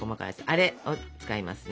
あれを使いますね。